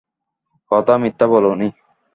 কথা মিথ্যা বলোনি।